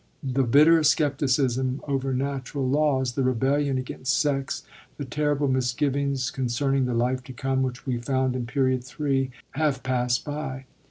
The bitter scepticism over natural laws, the rebellion against sex, the terrible misgivings concern ing the life to come which we found in Period III. have past by.